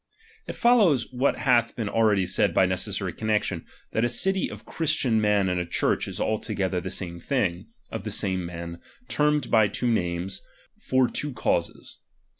It follows what hath been already said by "" necessary connexion, that a city of Christian men and a Church is altogether the same thing, of the same men, termed by two names, for two causes.